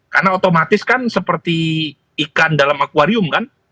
karena otomatis kan seperti ikan dalam akwarium kan